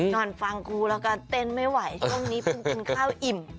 นอนฟังกูแล้วก็เต้นไม่ไหวช่วงนี้กูกินข้าวอิ่ม